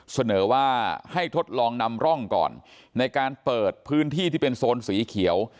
เสนอว่าให้ทดลองนำร่องก่อนในการเปิดพื้นที่ที่เป็นโซนสีเขียว